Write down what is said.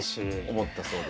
思ったそうです。